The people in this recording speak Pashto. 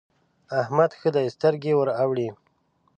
احمد ښه دی؛ سترګې ور اوړي.